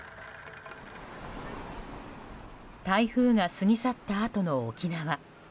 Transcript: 台風が過ぎ去ったあとの沖縄。